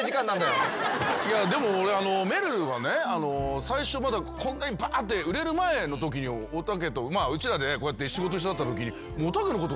でも俺めるるはね最初まだこんなにバーって売れる前のときにうちらでこうやって仕事一緒だったとき。